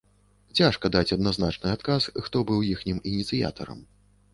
Цяжка даць адназначны адказ, хто быў іхнім ініцыятарам.